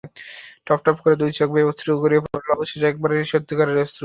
টপটপ করে দুই চোখ বেয়ে অশ্রু গড়িয়ে পড়ল অবশেষে—একেবারে সত্যিকারের অশ্রু।